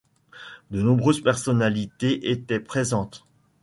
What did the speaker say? De nombreuses personnalités étaient présentes.